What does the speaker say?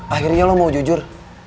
akhirnya lo mau jujur